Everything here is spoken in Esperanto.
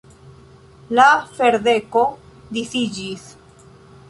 La ferdeko disiĝis.